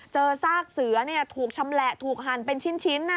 ซากเสือถูกชำแหละถูกหั่นเป็นชิ้น